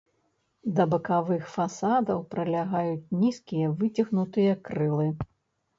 Да бакавых фасадаў прылягаюць нізкія выцягнутыя крылы.